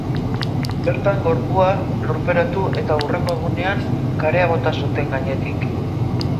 Bertan gorpua lurperatu eta hurrengo egunean, karea bota zuten gainetik.